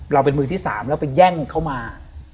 เป็นมือที่๓แล้วไปแย่งเข้ามา